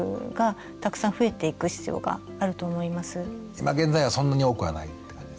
今現在はそんなに多くはないって感じですか。